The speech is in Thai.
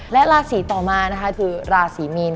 และราศีต่อมานะคะคือราศีมีน